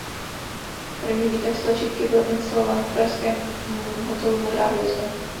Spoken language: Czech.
První výtah s tlačítky byl instalován v pražském hotelu Modrá hvězda.